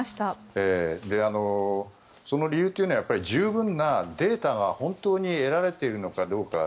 その理由というのは十分なデータが本当に得られているのかどうか。